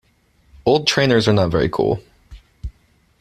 Old trainers are not very cool